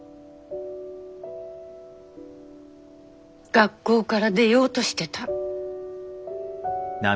学校から出ようとしてた。